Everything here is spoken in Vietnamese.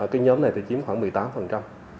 cái nhóm này thì chiếm khoảng một mươi tám